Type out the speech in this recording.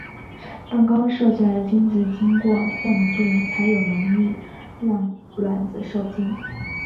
当刚射进来的精子经过获能作用才有能力让卵子授精。